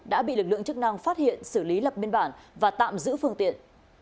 đã bị lực lượng chức năng phát hiện xử lý lập biên bản và tạm giữ phương tiện